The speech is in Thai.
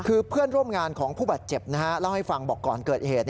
คือเพื่อนร่วมงานของผู้บาดเจ็บเล่าให้ฟังบอกก่อนเกิดเหตุ